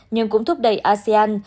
nhưng cũng thúc đẩy asean